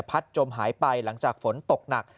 จมหายไปหลังจากฝนตกหนัก